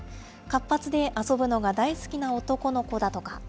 活発で遊ぶのが大好きな男の子だとか。